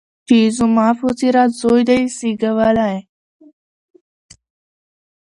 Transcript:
چي یې زما په څېره زوی دی زېږولی